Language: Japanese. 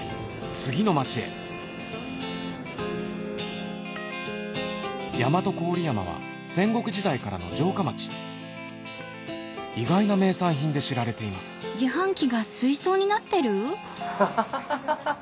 次の町へ大和郡山は戦国時代からの城下町意外な名産品で知られていますハハハ！